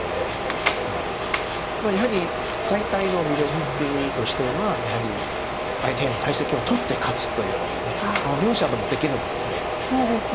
やはり最大の魅力としては相手の大石を取って勝つというのが両者ともできるんですそれが。